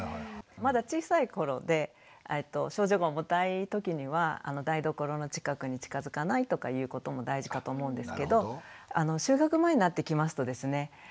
まだ小さい頃で症状が重たい時には台所の近くに近づかないとかいうことも大事かと思うんですけど就学前になってきますとですね